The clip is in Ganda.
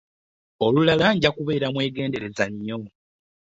Olulala nja kubeera mwegendereza nnyo.